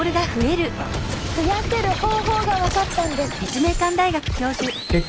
増やせる方法が分かったんです。